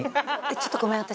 ちょっとごめん私。